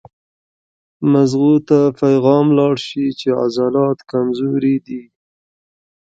مزغو ته پېغام لاړ شي چې عضلات کمزوري دي